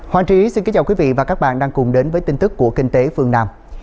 hoàng trí xin kính chào quý vị và các bạn đang cùng đến với tin tức của kinh tế phương nam